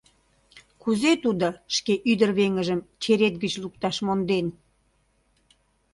Кузе тудо шке ӱдыр-веҥыжым черет гыч лукташ монден?